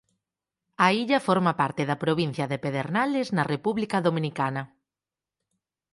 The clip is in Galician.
A illa forma parte da provincia de Pedernales na República Dominicana.